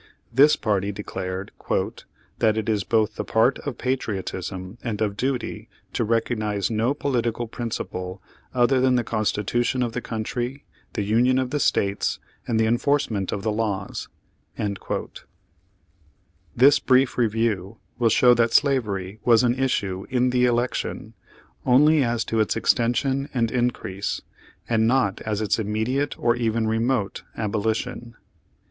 This party declared, "That it is both the part of patriotism and of duty to recog Page Forty one nize no political principle other than the Constitu tion of the country, the Union of the States, and the enforcement of the laws." This brief review will show that slavery was an issue in the election, only as to its extension and increase, and not as to its immediate or even remote abolition.